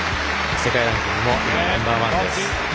世界ランキングもナンバーワンです。